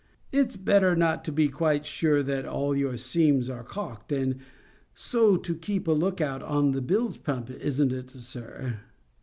It's better not to be quite sure that all your seams are caulked, and so to keep a look out on the bilge pump; isn't it, sir?"